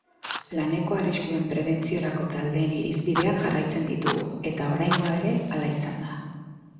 Laneko arriskuen prebentziorako taldeen irizpideak jarraitzen ditugu eta oraingoa ere hala izan da.